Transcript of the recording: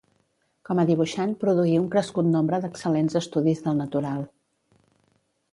Com a dibuixant produí un crescut nombre d'excel·lents estudis del natural.